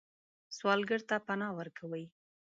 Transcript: سوالګر ته پناه ورکوئ